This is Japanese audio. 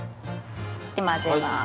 混ぜます。